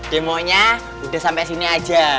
demonya udah sampai sini aja